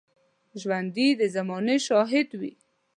ژوندي د زمانې شاهد وي